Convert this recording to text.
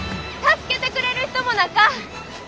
助けてくれる人もなか。